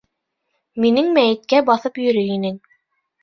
Минең мәйеткә баҫып йөрөй инең.